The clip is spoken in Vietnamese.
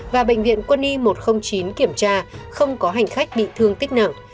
và bệnh viện quân y một trăm linh chín kiểm tra không có hành khách bị thương tích nặng